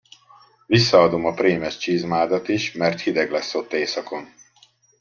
Visszaadom a prémes csizmádat is, mert hideg lesz ott északon.